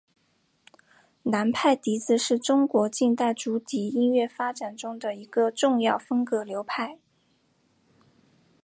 南派笛子是中国近代竹笛音乐发展中的一个重要风格流派。